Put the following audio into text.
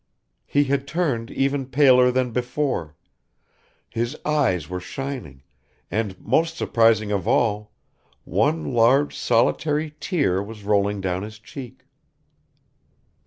He had turned even paler than before; his eyes were shining, and most surprising of all one large solitary tear was rolling down his cheek.